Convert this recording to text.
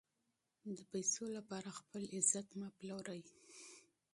د پیسو لپاره خپل عزت مه پلورئ.